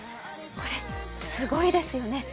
これ、すごいですよね。